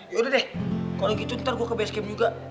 yaudah deh kalau gitu ntar gue ke base camp juga